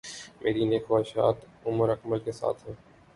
میری نیک خواہشات عمر اکمل کے ساتھ ہیں